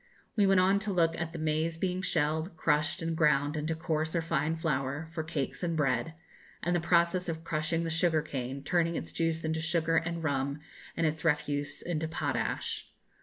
We went on to look at the maize being shelled, crushed, and ground into coarse or fine flour, for cakes and bread, and the process of crushing the sugar cane, turning its juice into sugar and rum, and its refuse into potash.